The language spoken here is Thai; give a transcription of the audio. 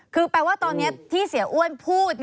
คือแปลว่าตอนนี้ที่เสียอ้วนพูด